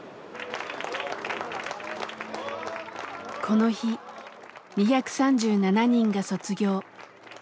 この日２３７人が卒業。